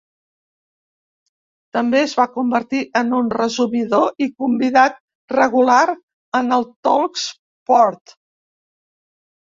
També es va convertir en un resumidor i convidat regular en el Talksport.